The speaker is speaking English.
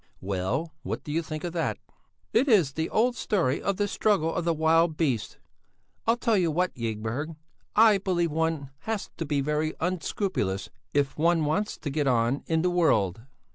"Well, what do you think of that?" "It's the old story of the struggle of the wild beasts. I'll tell you what, Ygberg, I believe one has to be very unscrupulous if one wants to get on in the world."